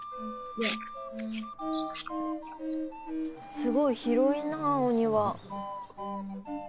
すごい広いなぁお庭。